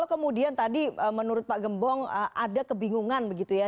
kemudian tadi menurut pak gembong ada kebingungan begitu ya